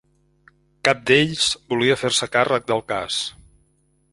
Cap d'ells volia fer-se càrrec del cas.